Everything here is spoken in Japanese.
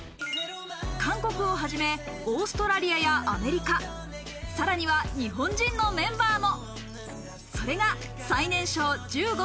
韓国をはじめ、オーストラリアやアメリカ、さらには日本人のメンバーも。